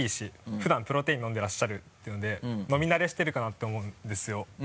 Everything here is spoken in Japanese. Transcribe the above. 普段プロテイン飲んでらっしゃるっていうので飲み慣れしてるかなって思うんですよ。